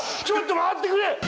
ちょっと待ってくれ！